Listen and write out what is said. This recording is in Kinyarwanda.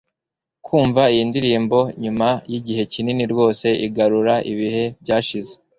kumva iyi ndirimbo nyuma yigihe kinini rwose igarura ibihe byashize